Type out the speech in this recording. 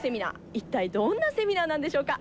一体どんなセミナーなんでしょうか？